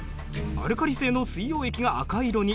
アルカリ性の水溶液が赤色に。